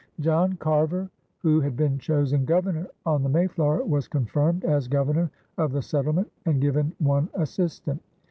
John Carver, who had been chosen governor on the Mayflower, was confirmed as governor of the settlement and given one assistant.